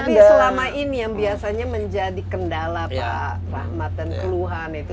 tapi selama ini yang biasanya menjadi kendala pak rahmat dan keluhan itu